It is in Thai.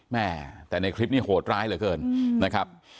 แม่แต่ในคลิปนี้โหดร้ายเหลือเกินนะครับ